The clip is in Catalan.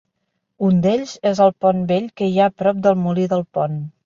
Un d'ells és el pont vell que hi ha prop del molí del pont.